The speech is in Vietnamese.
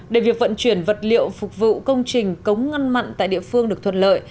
để việc vận chuyển vật liệu phục vụ công trình cống ngăn mặn tại địa phương được thuận lợi